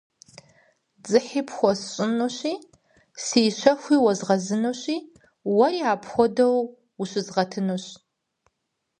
Дзыхьи пхуэсщӏынущи, си щэхуи уэзгъэзынущи, уэри апхуэдэу ущызгъэтынущ.